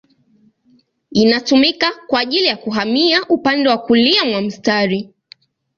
Inatumika kwa ajili ya kuhamia upande wa kulia mwa mstari.